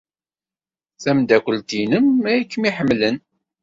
Tameddakelt-nnem ay kem-iḥemmlen.